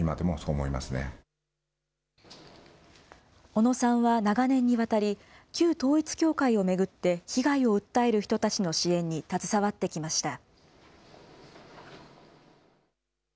小野さんは長年にわたり、旧統一教会を巡って被害を訴える人たちの支援に携わってきました。